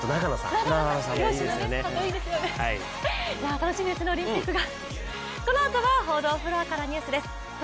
楽しみですね、オリンピックが。